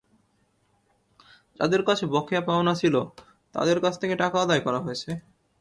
যাদের কাছে বকেয়া পাওনা ছিল তাদের কাছ থেকে টাকা আদায় করা হয়েছে।